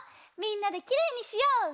みんなできれいにしよう！